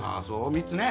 ３つね。